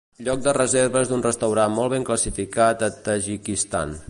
lloc de reserves d'un restaurant molt ben classificat a Tajikistan